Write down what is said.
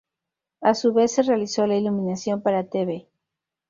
A su vez se realizó la iluminación para tv.